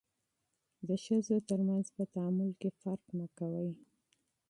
د ښځو ترمنځ په تعامل کې فرق مه کوئ.